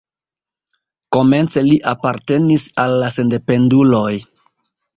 Komence li apartenis al la sendependuloj.